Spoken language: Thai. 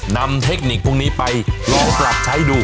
นำเทคนิคพวกนี้ไปนับปรับใช้ดู